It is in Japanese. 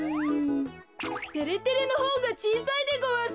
てれてれのほうがちいさいでごわす。